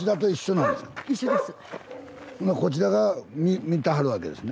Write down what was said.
こちらが見てはるわけですね